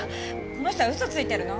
この人は嘘ついてるの。